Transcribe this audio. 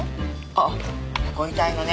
あご遺体のね